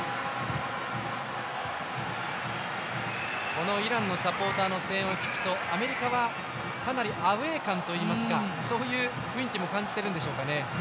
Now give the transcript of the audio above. このイランのサポーターの声援を聞くとアメリカはかなりアウェー感といいますかそういう雰囲気も感じてるんでしょうか。